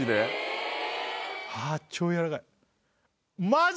超やわらかいマジ？